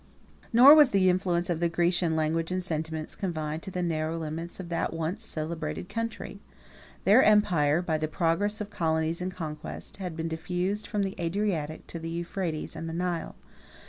41 Nor was the influence of the Grecian language and sentiments confined to the narrow limits of that once celebrated country. Their empire, by the progress of colonies and conquest, had been diffused from the Adriatic to the Euphrates and the Nile.